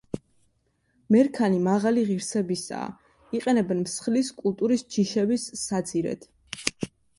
მერქანი მაღალი ღირსებისაა, იყენებენ მსხლის კულტურის ჯიშების საძირედ.